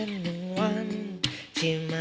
ขอบคุณค่ะ